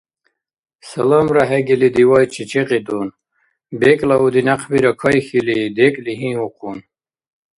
Саламра хӀегили, дивайчи чӀикьитӀун. БекӀла уди някъбира кайхьили, декӀли гьигьухъун.